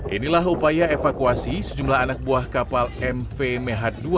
inilah upaya evakuasi sejumlah anak buah kapal mv meh dua